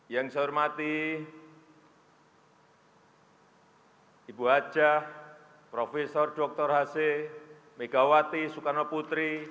yang saya hormati ibu haja profesor dr haseh megawati soekarnoputri